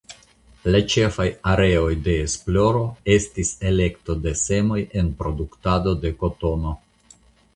La ĉefaj areoj de esploro estis elekto de semoj en produktado de kotono.